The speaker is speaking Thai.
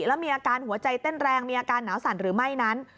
แล้วมีอาการหัวใจเต้นแรงมีอาการหนาวสั่นหรือไม่นั้น